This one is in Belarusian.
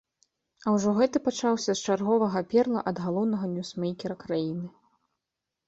А ўжо гэты пачаўся з чарговага перла ад галоўнага ньюсмейкера краіны.